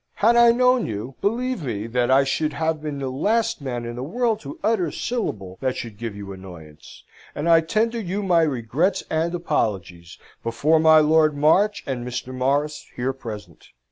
Had I known you, believe me that I should have been the last man in the world to utter a syllable that should give you annoyance; and I tender you my regrets and apologies, before my Lord March and Mr. Morris here present."